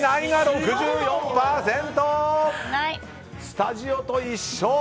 スタジオと一緒！